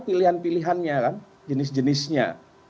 itu adalah pilihan pilihannya jenis jenisnya